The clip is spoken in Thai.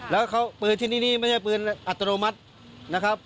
แล้วเขาปืนที่นี่ไม่ใช่ปืนอัตโนมัตินะครับ